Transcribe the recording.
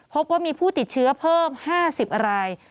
พบว่ามีผู้ติดเชื้อเพิ่ม๕๐ราย